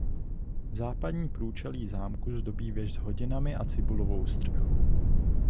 Západní průčelí zámku zdobí věž s hodinami a cibulovou střechou.